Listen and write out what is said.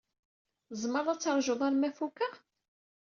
Tzemred ad teṛjud arma fukeɣ?